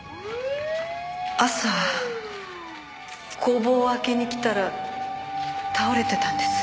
朝工房を開けに来たら倒れてたんです。